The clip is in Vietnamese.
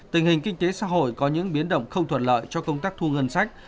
tình hình kinh tế xã hội có những biến động không thuận lợi cho công tác thu ngân sách